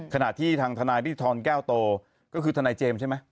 ขณะที่ทางทนายพิธรแก้วโตก็คือทนายเจมส์ใช่ไหม